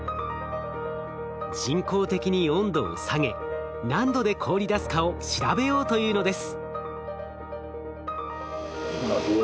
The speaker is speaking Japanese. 人工的に温度を下げ何度で凍りだすかを調べようというのです。